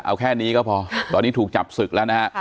เอาแค่นี้ก็พอตอนนี้ถูกจับศึกแล้วนะฮะ